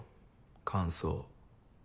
乾燥。